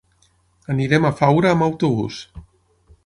Anirem a Faura amb autobús.